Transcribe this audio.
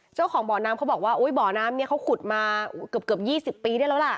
เจ้าของบ่อน้ำเขาบอกว่าบ่อน้ำนี้เขาขุดมาเกือบ๒๐ปีได้แล้วล่ะ